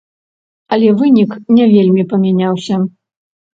Але вынік не вельмі памяняўся.